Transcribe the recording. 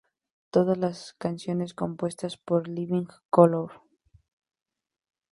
Todas las canciones compuestas por Living Colour.